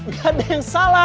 ga ada yang salah